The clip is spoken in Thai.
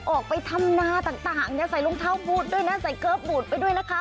ออกไปทำนาต่างอย่าใส่รองเท้าบูธด้วยนะใส่เกิร์ฟบูดไปด้วยนะคะ